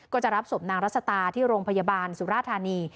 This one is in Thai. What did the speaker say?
ก็จะรับศพนางรัศตาที่โรงพยาบาลสุราธานี